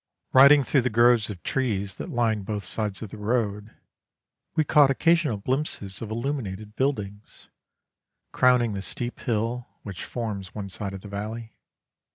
Riding through the groves of trees that lined both sides of the road, we caught occasional glimpses of illuminated buildings, crowning the steep hill which forms one side of the valley.